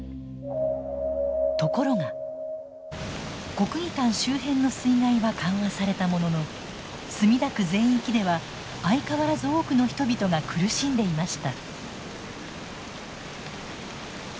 国技館周辺の水害は緩和されたものの墨田区全域では相変わらず多くの人々が苦しんでいました。